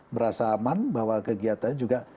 merasa aman bahwa kegiatan juga